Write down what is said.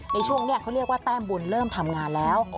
ในช่วงนี้เขาเรียกว่าแต้มบุญเริ่มทำงานแล้ว